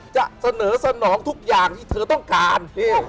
จะเสนอสนองทุกอย่างที่เธอต้องการ